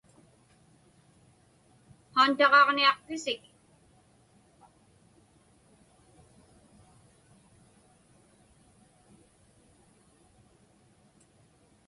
Haantaġaġniaqpisik?